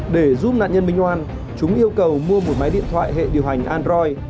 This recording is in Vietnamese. để giúp nạn nhân minh oan chúng yêu cầu mua một máy điện thoại hệ điều hành android